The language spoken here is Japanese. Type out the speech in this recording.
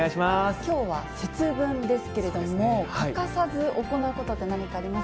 きょうは節分ですけれども、欠かさず行うことって、何かあります？